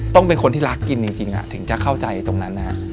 ต้องเป็นคนที่รักกินจริงถึงจะเข้าใจตรงนั้น